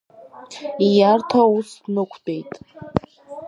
Ииарҭа ус днықәтәеит.